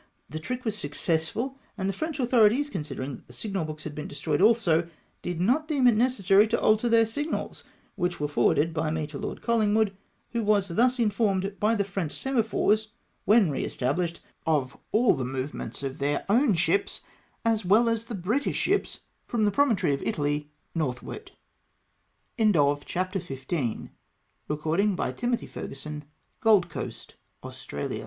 The trick was successful, and the French authorities, considering that the signal books had been destroyed also, did not deem it ne cessary to alter their signals, wdiich were forwarded by me to Lord Collingwood, who was thus informed by the French semaphores, when re established, of all the movements of their OA\m ships, as well as of the British ships from the promontory of Italy northward ! EE.rOIN THE FLEET AT T